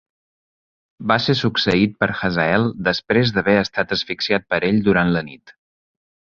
Va ser succeït per Hazael després de haver estat asfixiat per ell durant la nit.